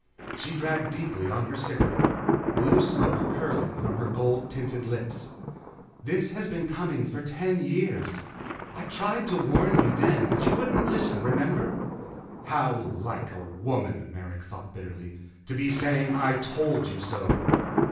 '"She dragged deeply on her cigarette, blue smoke curling from her gold tinted lips. "This has been coming on for ten years. I tried to warn you then, but you wouldn't listen. Remember?" How like a woman, Merrick thought bitterly, to be saying I told you so.